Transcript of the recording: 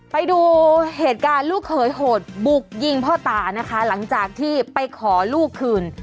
ไปดูเหตุการณ์ลูกเขยโหดบุกยิงพ่อตานะคะหลังจากที่ไปขอลูกคืน